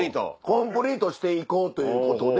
コンプリートしていこうということで。